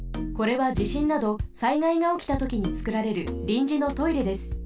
これはじしんなど災害がおきたときにつくられるりんじのトイレです。